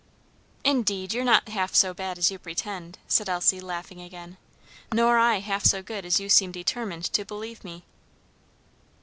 "Indeed you're not half so bad as you pretend," said Elsie, laughing again; "nor I half so good as you seem determined to believe me."